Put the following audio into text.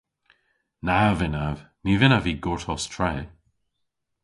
Na vynnav. Ny vynnav vy gortos tre.